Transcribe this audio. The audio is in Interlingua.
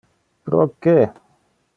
Pro que?